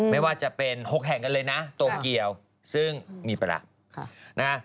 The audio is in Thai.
ไม่ว่าจะเป็น๖แห่งกันเลยนะโตเกียวซึ่งมีไปแล้ว